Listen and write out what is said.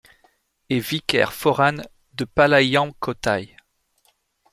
Et vicaire forane de Palayamkottai.